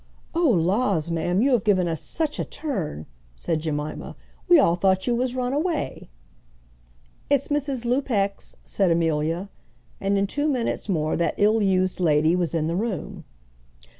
"Oh, laws, ma'am, you have given us sich a turn," said Jemima. "We all thought you was run away." "It's Mrs. Lupex," said Amelia. And in two minutes more that ill used lady was in the room.